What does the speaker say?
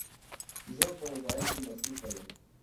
زه په موبایل کې مصروفه یم